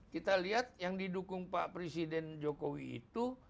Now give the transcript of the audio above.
kita lihat yang didukung pak presiden jokowi itu